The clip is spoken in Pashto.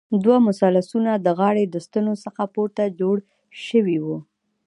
دوه مثلثونه د غاړې د ستنو څخه پورته جوړ شوي وو.